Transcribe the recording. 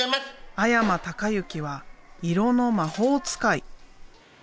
阿山隆之は色の魔法使い。